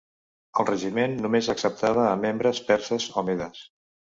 El regiment només acceptava a membres perses o Medes.